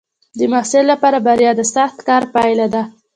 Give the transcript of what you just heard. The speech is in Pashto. د محصل لپاره بریا د سخت کار پایله ده.